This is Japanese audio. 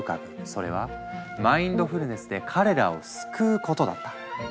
それは「マインドフルネスで彼らを救う」ことだった。